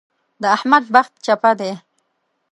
د احمد بخت چپه دی.